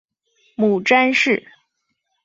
母詹氏。